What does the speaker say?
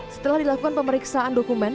setelah dilakukan pemeriksaan dokumen